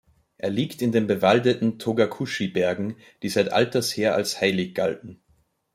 Er liegt in den bewaldeten Togakushi-Bergen, die seit Alters her als heilig galten.